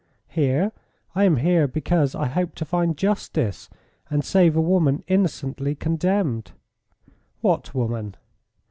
"Here? I am here because I hoped to find justice and save a woman innocently condemned." "What woman?"